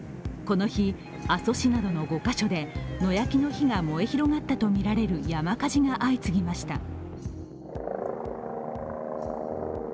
この日、阿蘇市などの５カ所で野焼きの火が燃え広がったとみられる山火事が相次ぎました。